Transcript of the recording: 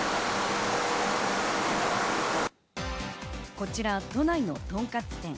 こちら都内のとんかつ店。